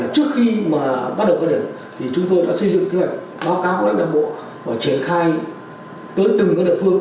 chúng tôi đã xây dựng kế hoạch báo cáo các đảng bộ và triển khai tới từng đảng phương